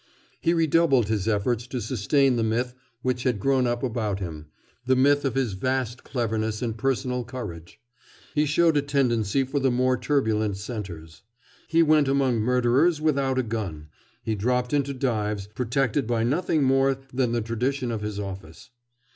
He redoubled his efforts to sustain the myth which had grown up about him, the myth of his vast cleverness and personal courage. He showed a tendency for the more turbulent centers. He went among murderers without a gun. He dropped into dives, protected by nothing more than the tradition of his office.